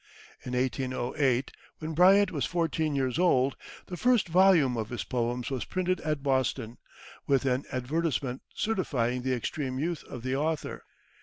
In 1808, when Bryant was fourteen years old, the first volume of his poems was printed at Boston, with an advertisement certifying the extreme youth of the author.